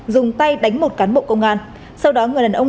dùng tay đánh một cán bộ công an